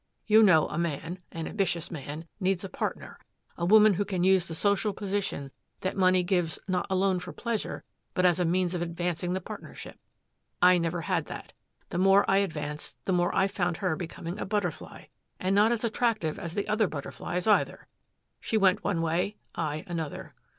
You know a man an ambitious man needs a partner, a woman who can use the social position that money gives not alone for pleasure but as a means of advancing the partnership. I never had that. The more I advanced, the more I found her becoming a butterfly and not as attractive as the other butterflies either. She went one way I, another.